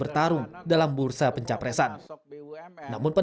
sejak dua ribu sembilan selalu menggadang gadang diri untuk mengejutkan